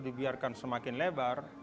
dibiarkan semakin lebar